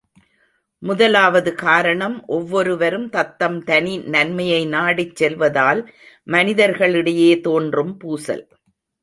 முதலாவது காரணம் ஒவ்வொருவரும் தத்தம் தனி நன்மையை நாடிச் செல்வதால் மனிதர்களிடையே தோன்றும் பூசல்.